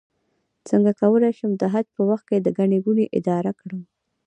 څنګه کولی شم د حج په وخت کې د ګڼې ګوڼې اداره کړم